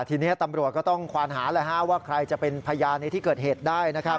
ทีนี้ตำรวจก็ต้องควานหาว่าใครจะเป็นพยานในที่เกิดเหตุได้นะครับ